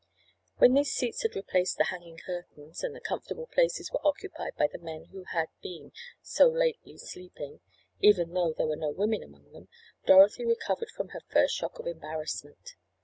When these seats had replaced the hanging curtains, and the comfortable places were occupied by the men who had been so lately sleeping, even though there were no women among them, Dorothy recovered from her first shock of embarrassment.